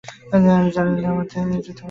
জালিমদের এ বিনিময় কত নিকৃষ্ট!